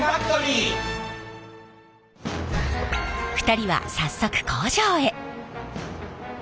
２人は早速工場へ。